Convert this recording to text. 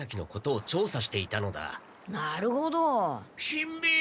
しんべヱ！